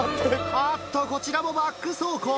あっとこちらもバック走行。